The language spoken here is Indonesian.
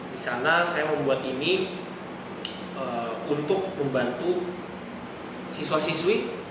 di sana saya membuat ini untuk membantu siswa siswi